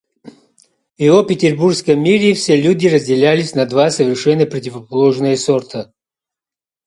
В его петербургском мире все люди разделялись на два совершенно противоположные сорта.